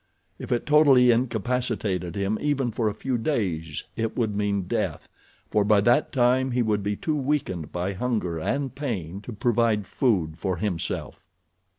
If it totally incapacitated him even for a few days it would mean death, for by that time he would be too weakened by hunger and pain to provide food for himself.